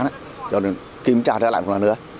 cho nên kiểm tra trở lại một lần nữa